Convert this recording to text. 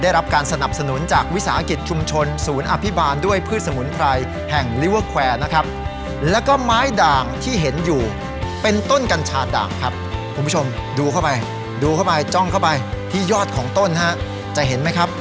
ดูเข้าไปจ้องเข้าไปที่ยอดของต้นฮะจะเห็นไหมครับ